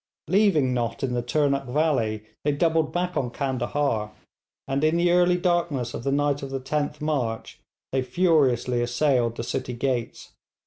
Leaving Nott in the Turnuk valley, they doubled back on Candahar, and in the early darkness of the night of the 10th March they furiously assailed the city gates.